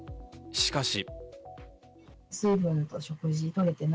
しかし。